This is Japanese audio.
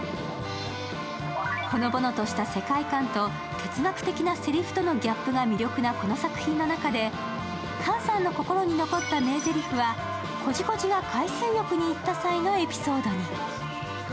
ほのぼのとした世界観と哲学的なせりふとのギャップが魅力なこの作品の中で菅さんの心に残った名ぜりふは、コジコジが海水浴に行った際のエピソードに。